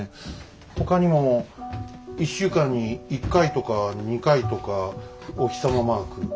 ほかにも１週間に１回とか２回とかお日様マーク。